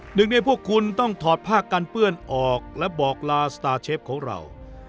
หนึ่งในพวกคุณต้องถอดผ้ากันเปื้อนออกและบอกลาสตาร์เชฟของเรา